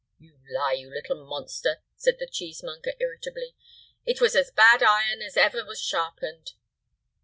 "You lie, you little monster!" said the cheesemonger, irritably. "It was as bad iron as ever was sharpened."